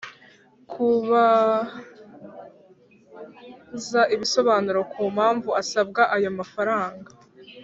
Kubaza ibisobanuro ku mpamvu asabwa ayo mafaranga